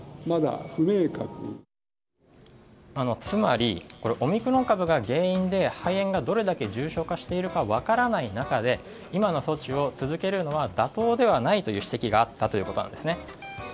つまり、オミクロン株が原因で肺炎がどれだけ重症化しているか分からない中で今の措置を続けるのは妥当ではないという指摘があったということなんですね。